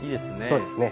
そうですね。